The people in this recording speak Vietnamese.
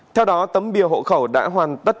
theo đó tấm bìa hộ khẩu đã hoàn tất